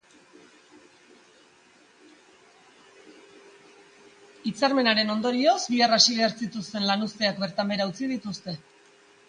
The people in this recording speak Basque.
Hitzarmenaren ondorioz, bihar hasi behar zituzten lanuzteak bertan behera utzi dituzte.